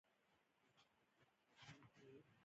تازه خبر خپور شوی و.